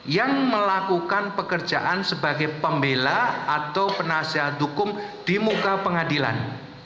yang melakukan pekerjaan sebagai pembela atau penasihat hukum di muka pengadilan